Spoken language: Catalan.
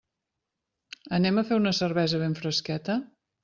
Anem a fer una cervesa ben fresqueta?